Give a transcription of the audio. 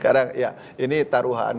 karena ya ini taruhan